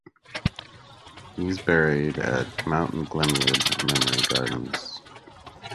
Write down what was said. He is buried at Mount Glenwood Memory Gardens.